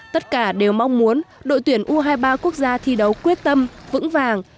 tất cả đều mong muốn đội tuyển u hai mươi ba quốc gia thi đấu quyết tâm vững vàng